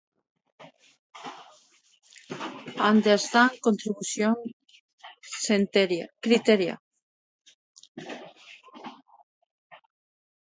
Esta ecuación aparece en el estudio del grupo de renormalización.